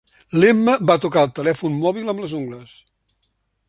L'Emma va tocar el telèfon mòbil amb les ungles.